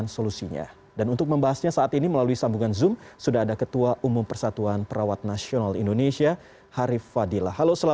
selamat malam mas iqbal